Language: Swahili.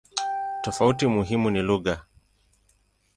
Tofauti muhimu ni lugha.